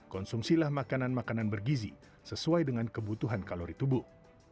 konsumsilah makanan makanan bergizi sesuai dengan kebutuhan kalori tubuh